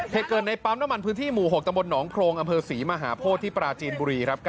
เทคเกินในปั๊มน้ำมันพื้นที่หมู่๖ตนหนองโพรงอศรีมหาโภษที่ปราจีนบุรีครับ